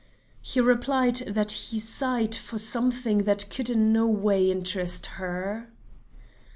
He replied that he sighed for something that could in no way interest her.